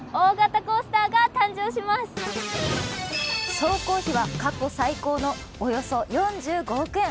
総工費は過去最高のおよそ４５億円。